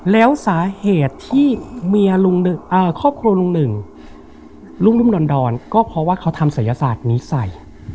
แล้วสาเหตุที่ครอบครัวลุงหนึ่งรุ่มดอนก็เพราะว่าเขาทำศัยศาสตร์นี้ใส่